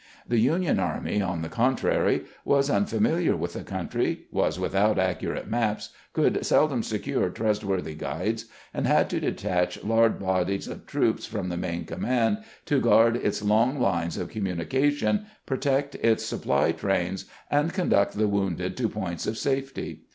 The Union army, on the contrary, was unfamiliar with the coun try, was without accurate maps, could seldom secure trustworthy guides, and had to detach large bodies of troops from the main command to guard its long lines of communication, protect its supply trains, and con duct the wounded to points of safety.